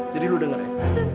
jadi lu denger ya